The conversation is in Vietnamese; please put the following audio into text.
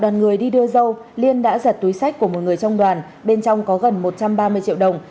người đi đưa dâu liên đã giật túi sách của một người trong đoàn bên trong có gần một trăm ba mươi triệu đồng